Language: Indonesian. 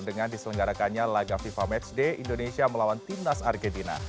dengan diselenggarakannya laga fifa matchday indonesia melawan timnas argentina